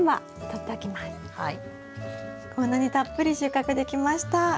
こんなにたっぷり収穫できました。